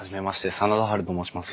真田ハルと申します。